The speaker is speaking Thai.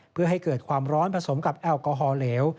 เพื่อให้เกิดความร้อนผสมกับแอลกอฮอลเหลว